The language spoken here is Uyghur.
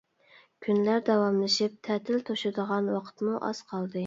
كۈنلەر داۋاملىشىپ تەتىل توشىدىغان ۋاقىتمۇ ئاز قالدى.